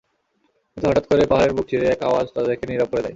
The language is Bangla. কিন্তু হঠাৎ করে পাহাড়ের বুক চিরে এক আওয়াজ তাদেরকে নীরব করে দেয়।